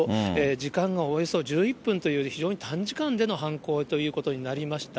時間がおよそ１１分という、非常に短時間での犯行ということになりました。